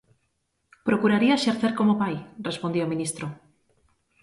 "Procuraría exercer como pai", respondía o Ministro.